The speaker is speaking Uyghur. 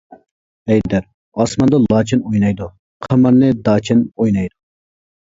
ھەيدەر:ئاسماندا لاچىن ئوينايدۇ، قىمارنى داچەن ئوينايدۇ.